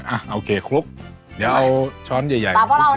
แล้วมันเป็นซุปยังไงอ่ะ